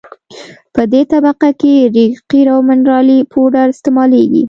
په دې طبقه کې ریګ قیر او منرالي پوډر استعمالیږي